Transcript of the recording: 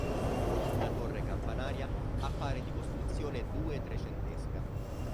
La torre campanaria appare di costruzione due-trecentesca.